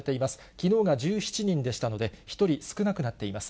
きのうが１７人でしたので、１人少なくなっています。